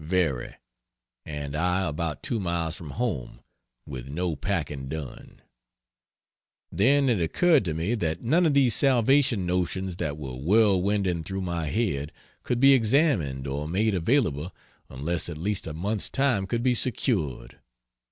Very! and I about two miles from home, with no packing done. Then it occurred to me that none of these salvation notions that were whirl winding through my head could be examined or made available unless at least a month's time could be secured.